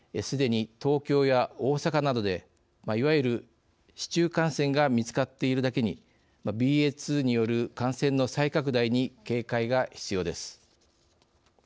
すでに、東京や大阪などでいわゆる市中感染が見つかっているだけにＢＡ．２による感染の再拡大に警戒が必要です。